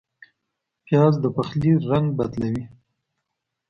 پیاز د پخلي رنګ بدلوي